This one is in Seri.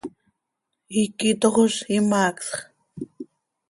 Iiqui tojoz, imaacsx.